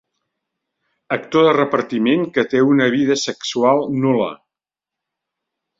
Actor de repartiment que té una vida sexual nul·la.